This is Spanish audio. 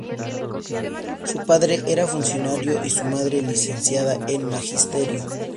Su padre era funcionario y su madre, licenciada en Magisterio.